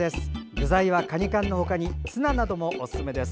具材はカニ缶の他にツナなどもおすすめです。